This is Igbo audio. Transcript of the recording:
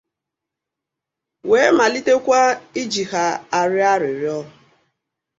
wee malitekwa iji ha arịọ arịrịọ